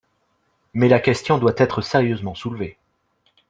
Mais la question doit être sérieusement soulevée.